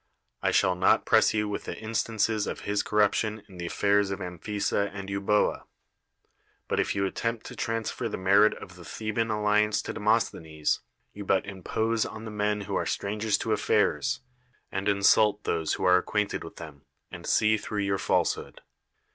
I shall not press you with the instances of his corruption in the affairs of Amphissa and Eubcea. But if you at tempt to transfer the merit of the Theban alli ance to Demosthenes, you but impose on the men who are strangers to affairs, and insult those who are acquainted with them, and see through your falsehood.